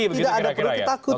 tidak ada yang perlu ditakuti